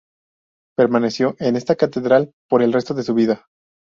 Permaneció en esta catedral por el resto de su vida.